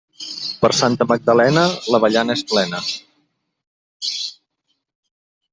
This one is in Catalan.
Per Santa Magdalena, l'avellana és plena.